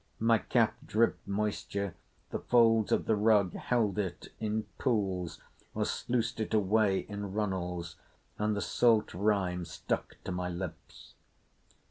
My cap dripped moisture, the folds of the rug held it in pools or sluiced it away in runnels, and the salt rime stuck to my lips.